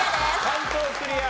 関東クリア。